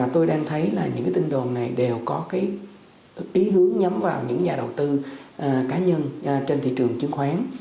tôi đang thấy những tin đồn này đều có ý hướng nhắm vào những nhà đầu tư cá nhân trên thị trường chứng khoán